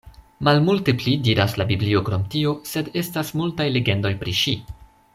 Malmulte pli diras la Biblio krom tio, sed estas multaj legendoj pri ŝi.